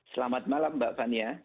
selamat malam mbak fania